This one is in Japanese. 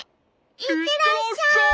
いってらっしゃい！